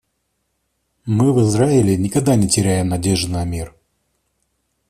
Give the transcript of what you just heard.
Мы в Израиле никогда не теряем надежды на мир.